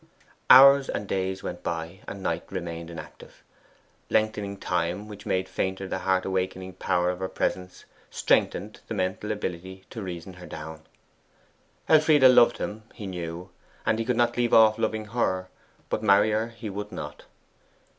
Hours and days went by, and Knight remained inactive. Lengthening time, which made fainter the heart awakening power of her presence, strengthened the mental ability to reason her down. Elfride loved him, he knew, and he could not leave off loving her but marry her he would not.